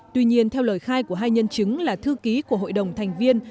tuy nhiên theo lời khai của hai nhân chứng là thư ký của hội đồng thành viên